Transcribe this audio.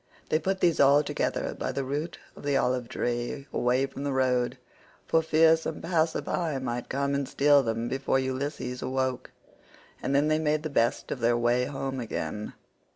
They put these all together by the root of the olive tree, away from the road, for fear some passer by116 might come and steal them before Ulysses awoke; and then they made the best of their way home again.